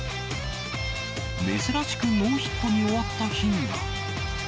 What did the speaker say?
珍しくノーヒットに終わった日には。